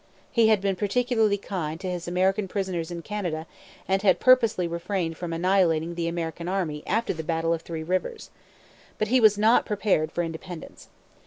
He had been particularly kind to his American prisoners in Canada and had purposely refrained from annihilating the American army after the battle of Three Rivers. But he was not prepared for independence.